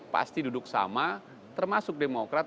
pasti duduk sama termasuk demokrat